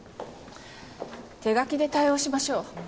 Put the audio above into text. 手書きで対応しましょう。